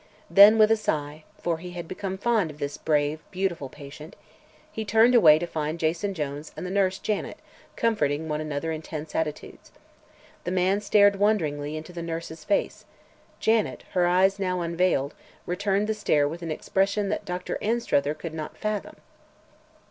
Then, with a sigh for he had become fond of this brave, beautiful patient he turned away to find Jason Jones and the nurse Janet confronting one another in tense attitudes. The man stared wonderingly into the nurse's face; Janet, her eyes now unveiled, returned the stare with an expression that Dr. Anstruther could not fathom.